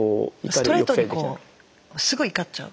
ストレートにこうすぐ怒っちゃう。